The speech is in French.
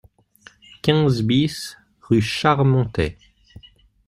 quinze BIS rue Charmontet